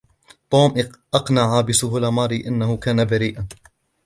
توم أقنع بسهولة ماري أنهُ كان بريئاً.